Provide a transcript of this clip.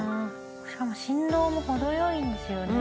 しかも振動も程良いんですよね。